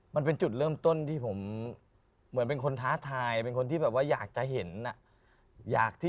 มันเป็นจุดเริ่มต้นที่ผมเหมือนเป็นคนท้าทายเป็นคนที่แบบว่าอยากจะเห็น